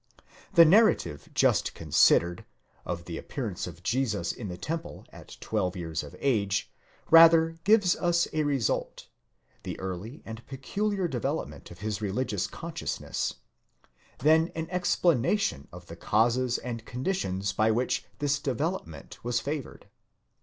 'The narra tive just considered, of the appearance of Jesus in the temple at twelve years of age, rather gives us a result—the early and peculiar development of his religious consciousness,—than an explanation of the causes and conditions by which this development was favoured.